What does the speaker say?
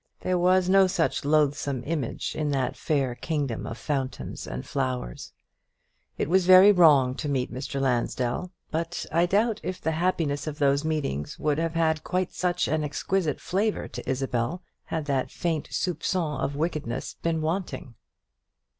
There was no such loathsome image in that fair kingdom of fountains and flowers. It was very wrong to meet Mr. Lansdell; but I doubt if the happiness of those meetings would have had quite such an exquisite flavour to Isabel had that faint soupçon of wickedness been wanting.